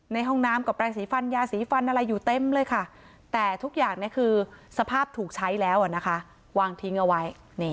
ในห้องน้ำกับแปลงสีฟันยาสีฟันอะไรอยู่เต็มเลยค่ะแต่ทุกอย่างคือสภาพถูกใช้แล้วนะคะวางทิ้งเอาไว้